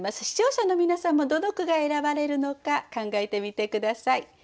視聴者の皆さんもどの句が選ばれるのか考えてみて下さい。